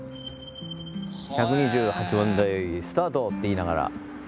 １２８番台スタート」って言いながら。